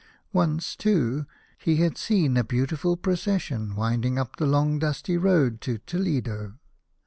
Once, too, he had seen a beautiful procession winding up the long dusty road to Toledo.